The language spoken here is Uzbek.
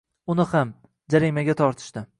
uni ham... jarimaga tortishdi...